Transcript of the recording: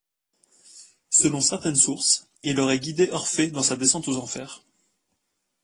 Selon certaines sources, il aurait guidé Orphée dans sa descente aux Enfers.